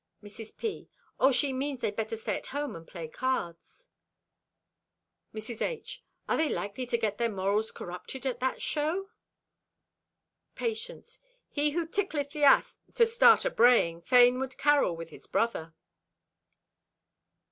Mrs. P.—"Oh, she means they'd better stay at home and play cards." Mrs. H.—"Are they likely to get their morals corrupted at that show?" Patience.—"He who tickleth the ass to start a braying, fain would carol with his brother."